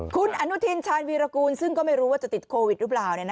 คุณอนุทินชาญวีรกูลซึ่งก็ไม่รู้ว่าจะติดโควิดหรือเปล่า